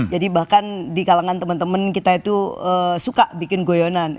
jadi bahkan di kalangan teman teman kita itu suka bikin goyonan